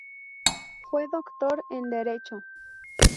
Fue doctor en Derecho.